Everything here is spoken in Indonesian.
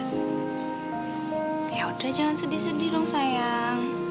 oke udah jangan sedih sedih dong sayang